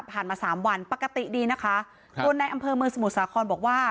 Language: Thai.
มาสามวันปกติดีนะคะตัวในอำเภอเมืองสมุทรสาครบอกว่า